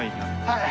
はい。